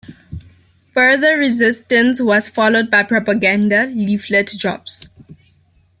Further resistance was followed by propaganda leaflet drops.